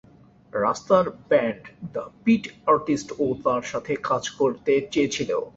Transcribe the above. রাস্তার band the peace artist ও তার সাথে কাজ করতে চেয়েছিল।